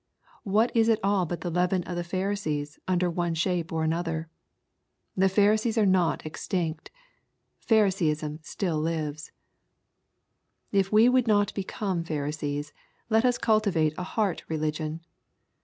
What is it all but the leaven of the Phari sees under one shape or another ? The Pharisees are not extinct. Pharisaism lives still. If we would not become Pharisees, let us cultivate a heart religion.